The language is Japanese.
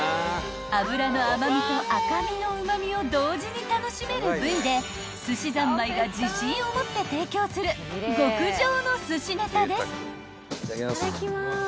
［脂の甘味と赤身のうま味を同時に楽しめる部位ですしざんまいが自信を持って提供する極上のすしネタです］